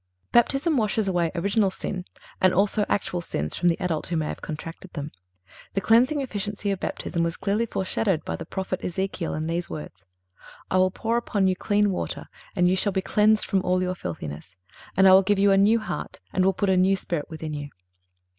Baptism washes away original sin, and also actual sins from the adult who may have contracted them. The cleansing efficacy of Baptism was clearly foreshadowed by the prophet Ezechiel in these words: "I will pour upon you clean water, and you shall be cleansed from all your filthiness. And I will give you a new heart and will put a new spirit within you."